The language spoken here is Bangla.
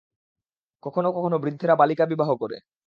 কখনও কখনও বৃদ্ধেরা বালিকা বিবাহ করে।